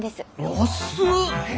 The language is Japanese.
安っ！